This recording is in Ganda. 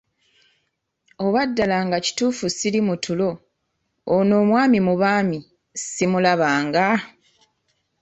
Oba ddala nga kituufu sili mu ttulo, ono omwami mu baami simulabanga!